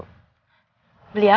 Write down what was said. gue mau beli sesuatu